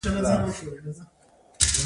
د معلوماتو راټولول او لیکنه.